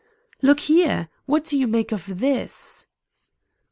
"Look here! What do you make of this?"